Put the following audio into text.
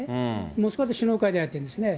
モスクワで首脳会談をやってるんですね。